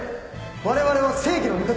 我々は正義の味方